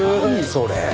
それ。